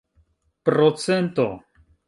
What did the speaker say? procento